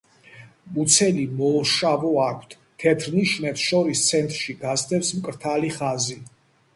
მუცელი მოშავო აქვთ, თეთრ ნიშნებს შორის ცენტრში გასდევს მკრთალი ხაზი.